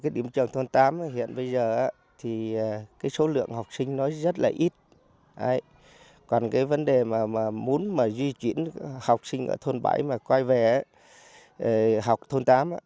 điểm trường thôn tám hiện bây giờ thì số lượng học sinh rất là ít còn vấn đề muốn di chuyển học sinh ở thôn bảy mà quay về học thôn tám